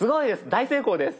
大成功です。